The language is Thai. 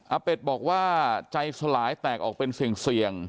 เป็ดบอกว่าใจสลายแตกออกเป็นเสี่ยง